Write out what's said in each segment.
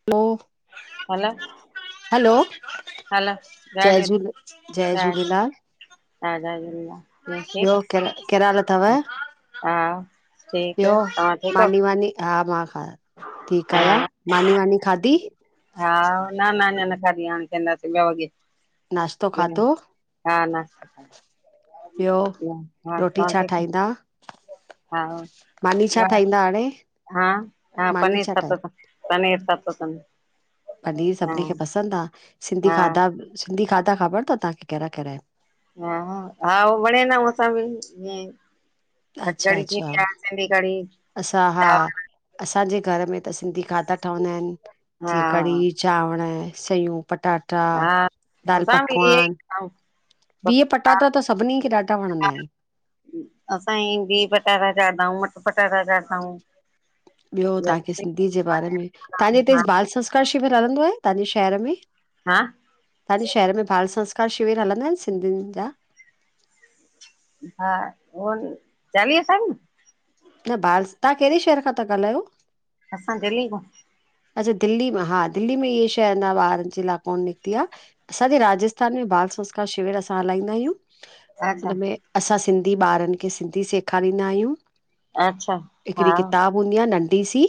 [unintelligible] हलो hello hello जय झूले जयझूले, जय झूलेलाल हा जय झूलेलाल [unintelligible] ठीक? ॿियो केड़ा, कहिड़ा हाल अथव? हा ॿियो ठीकु, तहां ठीकु आहो? मानी वानी हा मां हा ठीकु आहियां, आहियो? मानी वानी खाधी? हा न न अञा न खाधी, हाण खाईंदासीं ॿ वॻे नाश्तो खाधो? हा नाश्तो खाई ॿियो, हा रोटी तव्हां छा ठीकु ठाहींदा? हा मानी छा ठाहींदा हाणे? हां, हा मानी पनीर छा सात ठाही पनीर [unintelligible] पनीर हा सभिनी खे पसंदि आह। सिंधी हा खाधा, सिंधी खाधा ख़बर अथव तव्हांखे कहिड़ा कहिड़ा आहिनि? हा हा उह वणे न मस बि [unintelligible] खटि अच्छा कड़ी थी, अच्छा ऐं सिंधी कढ़ी असां हा [unintelligible] असांजे घर में त सिंधी खाधा ठहंदा आहिनि, हा जीअं कढ़ी चांवण, सयूं- पटाटा, दाल-पकवान अऊं बीह- पटाटा त सभिनी खे ॾाढा वणंदा आहिनि। असां ई बीह- पटाटा चाढ़दाऊं, मटर- पटाटा चाढ़दा ऊं ॿियो तव्हांखे सिंधी जे बारे में, तव्हांजे हिते हा बाल संस्कार शिविर हलंदो आहे तव्हांजे शहर में? हां [unintelligible] तव्हांजे शहर में बाल संस्कार शिविर हलंदा आहिनि? सिंधियुनि जा हा उहाई, चालीहे साईं न बाल, तव्हां कहिड़े शहर खां था ॻाल्हायो? असां दिल्लीअ खां अच्छा दिल्ली में हा दिल्ली में इअ शइ न ॿारनि जे लाइ कोन निकिती आहे। असांजे राजस्थान में बाल संस्कार शिविर असां हलाईंदा आहियूं अच्छा हुनमें असां सिंधी ॿारनि खे, सिंधी सेखारींदा आहियूं अच्छा हा हिकिड़ी किताब हूंदी आहे नंढी सी,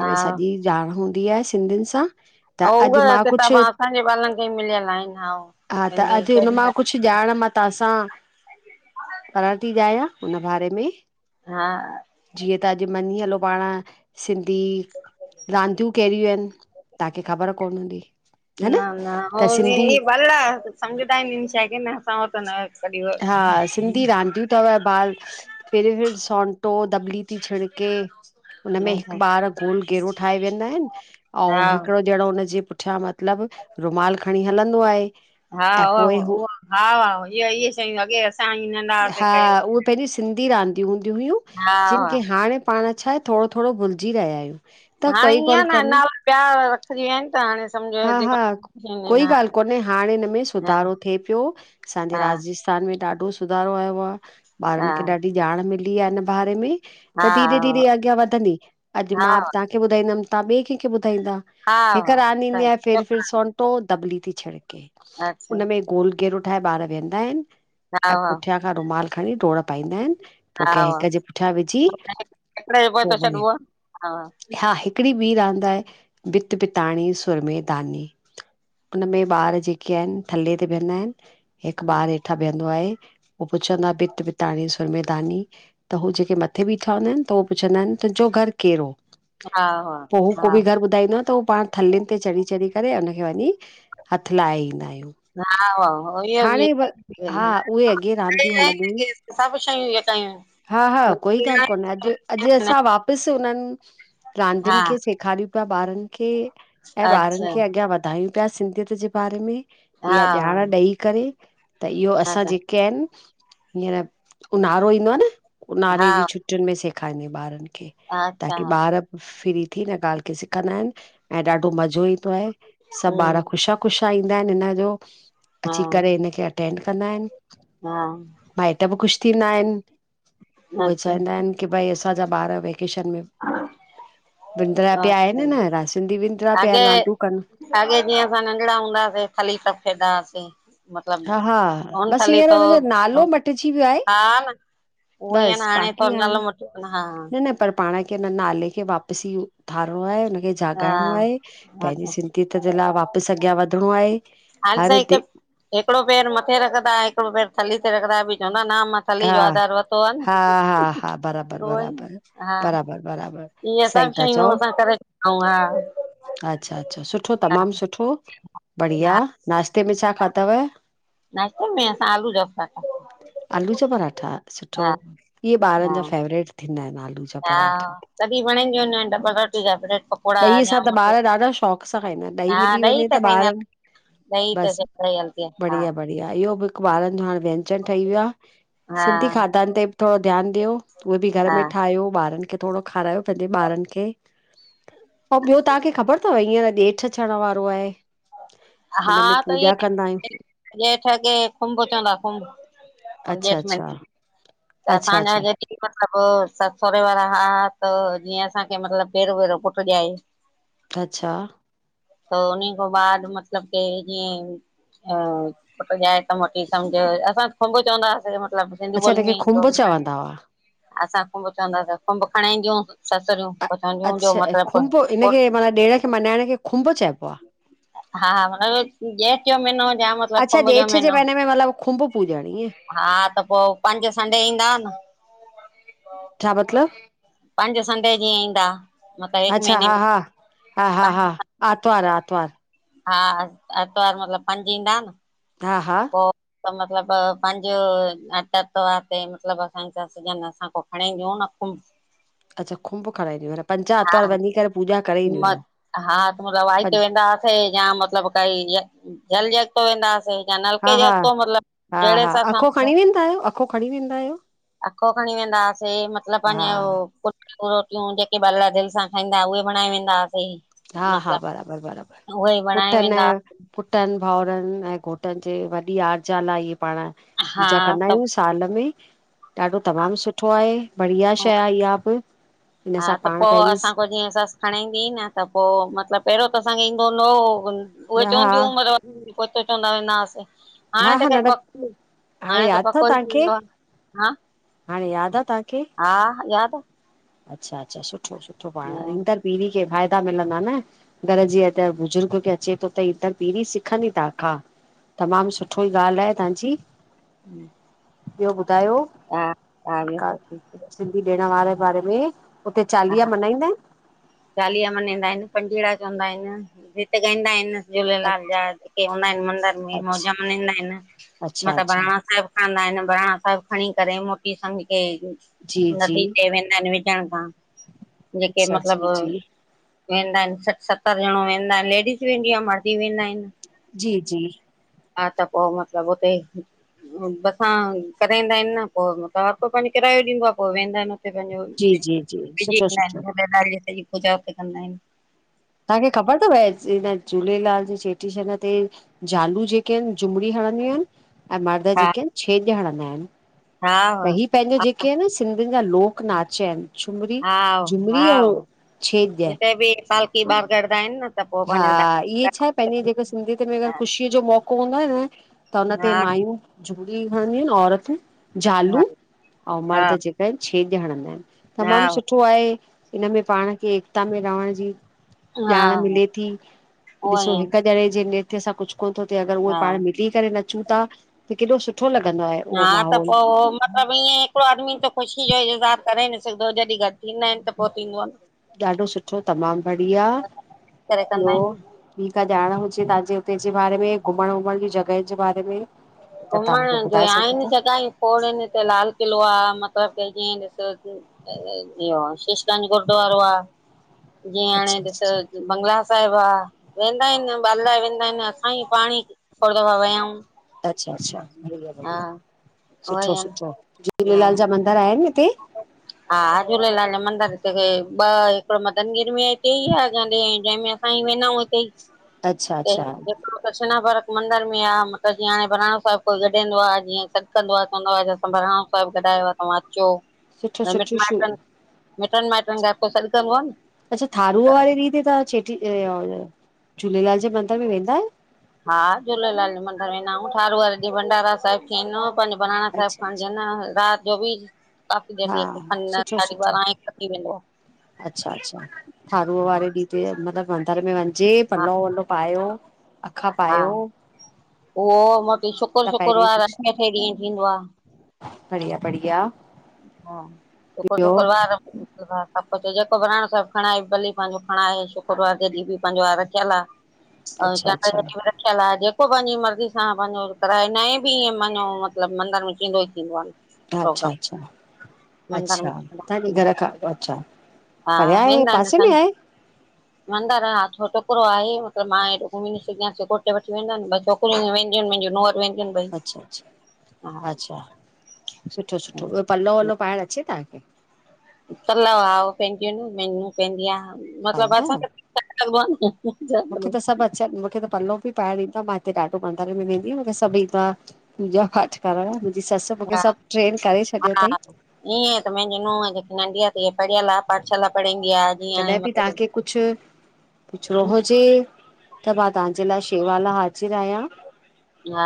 हा सॼी ॼाण हूंदी आहे सिंधियुनि सां, त अउं उह अॼु मां कुझु किताबा असांजे ॿारनि खे ई मिलियल आहिनि हा सिंधी अ कुछ ॼाण मां तव्हांसां करणु ती चाहियां हुन बारे में, हा, जीअं तां अॼु मञी हलो पाण सिंधी रांदियूं कहिड़ियूं आहिनि, तव्हांखे ख़बर कोन हूंदी। न न त सिंधी ई वल समझ टाइनि शे नसत न हा सिंधी कॾहिं रांदियूं सु व बाल फेर फ सोनटो दबली ती छिड़के हुनमें अच्छा हिकु ॿार गोल घेरो ठाहे वेंदा आहिनि, हा अउं हिकिड़ो ॼणो हुनजे पुठियां मतिलब रुमाल खणी हलंदो आहे, हाह ऐं पोइ हू हा वाह इहो इहे शयूं अॻे असां न हा, उहे पहिंजी सिंधी रांदियूं हूंदी हुयूं हा जिन हा खे हाणे पाण छा आहे थोड़ो थोड़ो भुलिजी रहिया आहियूं, त हाणे कोई ॻाल्हि इअं आ न कोन्हे नाला ॿिया रखजी विया आहिनि त हाणे, हा सम्झो -हा, कोई ॻाल्हि कोन्हे हाणे हिन में हा सुधारो थिए पियो असांजे हा राजस् थान में ॾाढो सुधारो आयो आ, हा ॿारनि खे ॾाढी ॼाण मिली आ हिन बारे में, हा त धीरे धीरे अॻियां वधंदी अॼु हा मां हा तव्हांखे ॿुधाईंदमि तव्हां ॿिए कंहिंखे ॿुधाईंदा। हा हिकु रांदि -हा फिर फिर सोनटो दबली थी छिड़के अच्छा हुनमें गोल घेरो ठाहे ॿार वेहंदा आहिनि, हा ऐं हा पुठियां खां रुमाल खणी डोड़ पाईंदा आहिनि। पो कंहिं हा हिक जे पुठियां विझी हिकिड़े जो पोइ पो थो वरी छॾिबो आहे हा हिकिड़ी ॿी रांदि आहे, बित बिताणी सुरमे दानी। हुन में ॿार जेके आहिनि थले ते विहंदा आहिनि, हिकु ॿार हेठ ठा बीहंदो आहे, पो पुछंदो आ बित बिताणी सुरमेदानी, त हू जेके मथे बीठा हूंदा आहिनि, त उ पुछंदा आहिनि तुंहिंजो घरु कहिड़ो? हा हा पो हू को हा बि घर ॿुधाईंदो त हू पाण थले ते चढ़ी चढ़ी करे अन वञी हथु लाहे ईंदा आहियूं। वाह -वाह, इहो बि हाणे हा उहे अॻे रांदियूं हलंदियूं सभु शयूं इये कयूं। हा -हा कोई ॻाल्हि कोन्हे अॼु अॼु असां वाप पसि उननि हा रांदियुनि खे सेखारियूं पिया ॿारनि खे ऐं ॿारनि अच्छा खे अॻियां वधायूं पिया, सिंधीयत जे बारे में हा इहा ॼाण ॾेई करे। त इहो असां जेके आहिनि हींअर ऊन्हारो ईंदो आ न हा ऊन्हारे जी छुट् टुनि में सेखारींदा ॿारनि खे अच्छा ताकी हा ॿार फ्री थी हिन ॻाल्हि खे सिखंदा आहिनि, ऐं ॾाढो मज़ो ईंदो आहे सभु ॿार हम्म ख़ुश कुछा ईंदा आहिनि हिन जो, अची हा करे हिनखे अटेंड कंदा आहिनि। हा माइट बि ख़ुशि थींदा आहिनि, उहे अच्छा चवंदा आहिनि की भई असांजा ॿार वेकेशन में विंदरा पिया अच्छा आहिनि न, न सिंधी विंदरा पिया अॻे आहिनि रांधयूं कनि अॻे जीअं असां नंढिड़ा हूंदा हुआसीं हली सभ खेॾंदा हुआसीं। हा-हा मतिलबु हुन बसि थली हींअर थो हुनजो नालो मटिजी वियो आहे, हा न उहो ई आहे न बसि बाकी थोरो नालो हाणे मटो हा न न पर पाण खे इन नाले खे वापसी उथारणो आहे हुनखे हा जाॻाइणो आहे पंहिंजे अच्छा सिंधी यत जे लाइ वापसि अॻियां वधिणो आहे। हाल हर ताईं दे हिकु हिकिड़ो पेर मथे रखंदा हिकिड़ो पेर थली ते रखंदा बि चवंदा न मथ हा- हा -हा -हा बराबर -बराबर बराबर -बराबर इंए सब शयूं असां करे सघंउ। हा अच्छा अच्छा, सुठो हा तमामु सुठो, हा बढ़िया, नाश्ते में छा खादव? नास्ते में असां आलू जा पंराठा खादा। आलू जा पंराठा! सुठो, इहे हा ॿारन जा फेवरेट थींदा आहिन आलू जा पंराठा। हा, तॾहिं वणदिंयुं न आइन, डबल रोटी जा ब्रेल पकोङा पकोड़ा, ॾहीअ सां जाम त ॿार ॾाढा शौक़ सां खाईंदा आहिनि मतिलबु हा मिली ॾही वञे त खांईंदा ॿारनि ॾइ त सब सां ई हलती आ, हा। त इहो बि हिकु ॿारनि जो हाणे व्यंजन ठही वियो आ, हा सिंधी खाधनि ते बि थोङो ध्यानु ॾियो। उहे बि घर हा में ठायो, ॿारनि खे थोङो खारायो पंहिंजे ॿारनि खे। अंउ ॿियों तांखे ख़बर थव हींअर ॼेठि अचण वारो आहे? हा हुनमें त इ पूॼा कंदा आहियूं हे ॼेठ खे खुंभ चवंदा खुंभ। अच्छा जेठ में अच्छा त अच्छा असांजा अच्छा जे जी मतिलबु ससु सओरे वारा हा, त जीअं असांखे मतिलबु पेरों भेरो पुटु ॾाए [inaudible] अच्छा! त उनी को बाद मतलब के ईंए अ पट जाए त मोटी सम्झ, असां खुंब चवंदासीं मतिलबु। सिंधी अच्छा ॿोली हिनखे खुंभ में चवंदा हुआ! असां कुंभ चवंदासीं, कुुंभ खंणदियूं अ अच्छा ऐं खुंभ पो हिननखे माना ॾिण खे मल्हाइण खे खुंभ चइबो आ! हा हा मत ॼेठ जो महीनो जाम अच्छा ॼेठ जे महीने में मतलब खुंभ पूॼण, ईंअ? हा त पो पंज संडे ईंदा आ न। छा मतलब? पंज संडे जीअं ईंदा। मतिलबु हिकु अच्छा महीने हा में हा हा हा पंज, हा आरतवार, आरतवार। हा आर्तवार मतलबु पंज ईंदा न। हा हा। पो त मतलबु पंजो आर्तवार ते मतिलबु असांजा सिजन असांखों पो हाणे घ न खुंम्ब। [unintelligible] अच्छा खुंम्भ खणाइंदी, पर पंज आर्तवार वंञी करे पूॼा करे ईंदियूं म हुयूं हा तब वते पंज वेंदाआसीं [unintelligible] मतिलब काई जल ॻतो वेंदासीं [unintelligible] हा हा, हा हा, अखो सां खणी वेंदा आयो, अखो खणी वेंदा आयो? अखो खणी वेंदा हुआसीं मतलबु हा पंअंजो रोटियूं जेके ॿाल दिल सां खाईंदा हुआ उहे बणाए वेंदा हुआसीं। हा हा, मतिलबु बराबर बराबर, उहे ई पुट्ठ बणाए वेंदा न पुट्टनि भाउरनि ऐं घोटनि जे वॾी आरजा ला ए इहे पाण हा पूजा कंदा त आहियूंसि। साल में ॾाढो तमामु सुठो आहे, बढ़िया शै आ इहा बि। हिन हा सां त पाण पोइ पहिरीं असां को जीअं सस हांणे ईंदी न त पो मतलबु पहिरियों त असांखे ईंदो न हो, उहे हा चवंदियूं हुंयुं मतलब कोई त चवंदा हुवस न अस। हा हाणे त हा के नंढा पको हाणे त यादि अथव पको ई तव्हांखे थींदो आ, हां। हाणे याद आ तांखे? हा याद आ। अच्छा अच्छा सुठो सुठो आहे पांण ईंदड़ पीड़ी के फ़ाइदा मिलंदा न। घर जी या त बुज़ुर्ग के अचे तो त ईंदर पीरी सिखंदी तहां खां तमामु सुठो ई ॻाल्हि आहे तहांजी। हम्म। ॿियो ॿुधायो, हा हा ॿियो का सभु ठीकु आहे सिंधी ॾिणं वार में उते चालीहा मनाईंदा इनि? चालीहा मनाईंदा हिनि, पंजीणा चवंदा हिनि गीत ॻाईंदा हिनि। झूलेलाल जा जेके हुंदा हिनि मंदर में मौज अच्छा मनाईंदा हिनि, अच्छा मथां अच्छा बाणा साहिब खांदा हिनि बाणा साहिब खणीं करे मोटी संग खे जी जी नदी ते वेंदा हिनि विझ कण त [unintelligible] अच्छा जी जी वेंदा हिनि सठि सत्तर ॼणो वेंदा हिनि लेडीस वेंदी आ मर्द बि वेंदा हिनि। जी जी। हा त पो मतिलब हुते बसां कराईंदा हिनि न पो मतिलबु हरको पांजो किरायो ॾींदो आ पो वेंदा हिनि हु हुते पंहिंजो जी वि जी जी विझी सुठो ईंदा सुठो इनि झूलेलाल जी सॼी पूजा हुते कंदा हिनि तहांखे ख़बर तव हिन झूलेलाल जे चेट्री चंड ते ज़ालू जेके हिनि झुमरी हणंदियूं आहिनि ऐं मर्द हा जेके हिनि छेॼ हणंदा हिनि हाव त ही पंहिंजो जेके इनि न सिंधियुनि जा लोकनाच इनि। झुमरी हाव झुमरी अंउं छेॼ। त बे फाल के ॿार करदाहिनि न त पो हा पंहिंजो इह्ये छा पंहिंजे जेके सिंधीयत में अगरि ख़ुशीअ जो मौको हूंदो आ न त उन ते हा मायूं झूमरी हणंदियू इनि औरतूं हा जालू अंउं मर्द हा जेक छेॼ हणंदा इनि तमामु हा सुठो आहे इनमें पांण खे एकता में रहण जी हा ॼाण हा मिले थी ॾिसो हिक ॼणे जे नृत्य सां कुछु कोन तो थिए अगरि उहे हा पांण मिली करे न चूं ता त केॾो सुठो लॻंदो आहे उहो माहौल। सभु ईयें हिकिड़ो आदमी त ख़ुशी जो इज़हार करे न सघदो जॾी गॾु थींदा इनि ॾाढो सुठो, तमामु बढ़िया, करे कंदा ॿियो? आहिनि बी का ॼाण हुजे तहांजे हुते जे बारे में घुमण वुमण जी जॻहियुनि जे बारे में त तव्हां घुमण मूंखे जो ॿुधाए सघो आहिनि था जॻाहियुं खोड़ इन हिते लाल किलो आ मतलबु के जीअं ॾिसु इह्यो शीशगंज गुरुद्वारो आ जीअं अच्छा हाणें अच्छा ॾिसु बंगला साहिब आ वेंदा हिनि ॿालाए वेंदा हिनि असां ई पांणी खोड़ दफा वया आऊं अच्छा- अच्छा, बढ़िया- बढ़िया, सुठो उहोई आ न, -सुठो, झूलेलाल जा मंदर आहिनि हिते? हा झूलेलाल जा मंदर हिते कई ॿ हे हिकिड़ो मदन गिर में हिते ई आ जाॾे जंहिंमें असां ई वेंदाउं हिते ई अच्छा त अच्छा हिक कृषणा भरत मंदर में आ त जीअं हाणें बहिराणो साहिब कोई गॾिंदो आ जीअं सॾुकंदो आ चवंदो आ अॼु असां बरहिराणो साहिबु गॾायो आ तव्हां अचो। सुठो मिट सुठियु छो माइटनि मिटनि माइटनि खां पोइ सॾु कंदो आ न अच्छा थारूअ वारे ॾीह ते तहां चे झूलेलाल जे मंदर में वेंदा आहियो? हा झूलेलाल जे मंदर वेंदा हूं ठारूअ वारे ॾीह भंडारा साहिब थींदो पांजा बहिराणा साहिब अच्छा अच्छा खंणजंदा रात जो बि कापी दे हा हिकु खंड साढी बारांी म [unintelligible] अचछा अच्छा थारूअ वारे ॾीह मतलबु मंदर में वञजे हा पलउ वलो पायो अखा हा पायो उहो मोटी शुकुर त पहिरीं शुक्रवार अठे कुझु अठे ॾींहं थींदो आहे बढ़िया बढ़िया हा शुकर ॿियो शुक्रवार ा सभु कुझु जेको ब्राणो साहिब खणाए भली पंहिंजो खणाए शुक्रवार जे ॾींहुं बि पंहिंजो ह रखियल आहे ऐं अच्छा ज अच्छा [inaudible] ियल आहे जेको पंहिंजी मर्ज़ी सां पंहिंजो कराए न बि ईअ पंहिंजो मतिलबु मंदर में थींदो ई थींदो आहे अच्छा प्रोग्राम अच्छा मंदर अ्छा तव्हांजे में घर खां अच्छा परया आहे वेंदा आहिन पासे में असांजा आहे मंदर हा छो छोकिरो आहे मतब मां हेॾो घुमी नॾ सघिय घोट वठी वेंदा छोकिरा सक वियन नोर वन [unintelligible] अच्छा अच्छा अच्छा सुठो सुठो ॿियो पलो वलो पाइणु अचे तव्हांखे पल्व आ पंदियूं न मनू पेंंद आहे मतिलब पाईंदा असां आहियो मूंखे त सभु अचनि मूंखे त पल्व बि प ॾींद मां हिते ॾाढो मंदरे मे वेंदी मूंखे सभई ततां पूजा पाठ करा जी ससु हा मूंखे सभु ट्रेन करे छॾियो हा अथई ईअं त मुंहिंजी नूहं जेकी नंढीया ती पढ़ियल आहे पाठशाला पढाईंदीआ कॾहिं बि तव्हांखे कुझु पुछणो हुजे त मां तव्हांजे लाइ सेवा में हाज़िर आहियां हा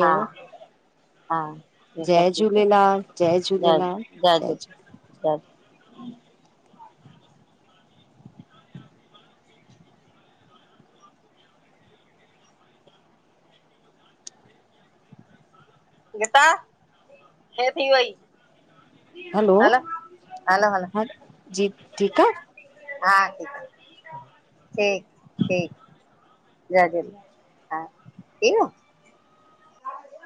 हा हा ॿियो जय सभु ठीक झूलेलाल आहे जय ज झूलेलाल जय झूलेलाल झूले [unintelligible] ज [inaudible] [unintelligible] हे थी वई हलो हलो हलो ह जी ठीकु आहे हा ठीकु आहे ठीक ठीक जय झूलेलाल हा ठीक आहे